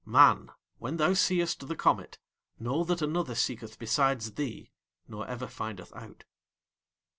Man, when thou seest the comet, know that another seeketh besides thee nor ever findeth out.